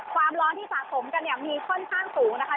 ความร้อนที่สะสมกันเนี่ยมีค่อนข้างสูงนะคะ